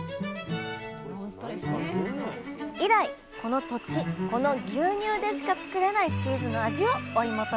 以来この土地この牛乳でしか作れないチーズの味を追い求めています